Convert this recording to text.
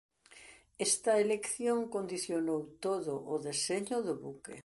Esta elección condicionou todo o deseño do buque.